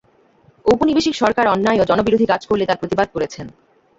ঔপনিবেশিক সরকার অন্যায় বা জনবিরোধী কাজ করলে তার প্রতিবাদ করেছেন।